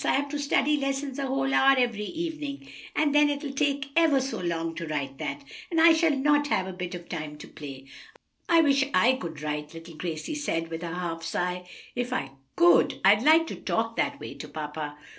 I have to study lessons a whole hour every evening, and then it'll take ever so long to write that, and I shall not have a bit of time to play." "I wish I could write," little Gracie said, with a half sigh. "If I could, I'd like to talk that way to papa."